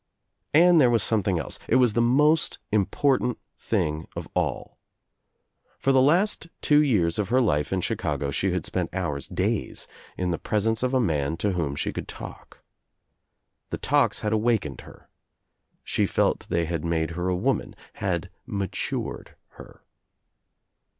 And there was something else — it was the most im portant thing of all. For the last two years of her life in Chicago she had spent hours, days in the presence of a man to whom she could talk. The talks had awak ened her. She felt they had made her a woman, had matured her.